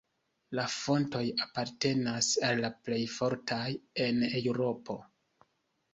La fontoj apartenas al la plej fortaj en Eŭropo.